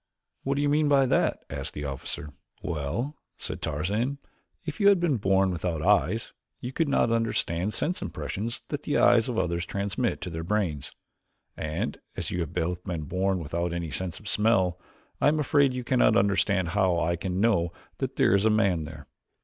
"What do you mean by that?" asked the officer. "Well," said Tarzan, "if you had been born without eyes you could not understand sense impressions that the eyes of others transmit to their brains, and as you have both been born without any sense of smell I am afraid you cannot understand how I can know that there is a man there."